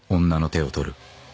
女の手を取る？